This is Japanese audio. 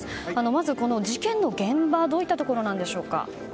まず、この事件の現場どういったところなんでしょうか。